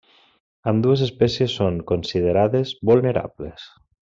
Ambdues espècies són considerades vulnerables.